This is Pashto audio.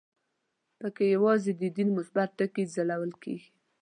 په کې یوازې د دین مثبت ټکي ځلول کېږي.